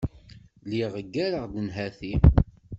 Lliɣ ggareɣ-d nnhati.